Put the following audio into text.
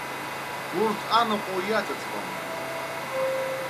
Урҭ анаҟәоу иаҵыҵуам.